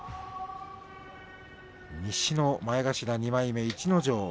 西の前頭２枚目逸ノ城